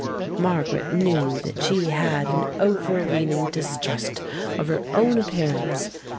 Margaret knew that she had an overweening distrust of her own appearance.